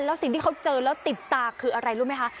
แล้วสิ่งที่เขาเจอแล้วติดตาคืออะไรรู้ไหมคะ